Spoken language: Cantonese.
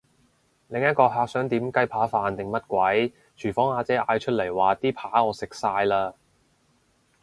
另一個客想點雞扒飯定乜鬼，廚房阿姐嗌出嚟話啲扒我食晒嘞！